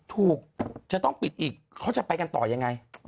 ถูกต้องจะต้องปิดอีกเขาจะไปกันต่อยังไง